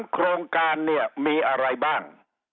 โครงการเนี่ยมีอะไรบ้าง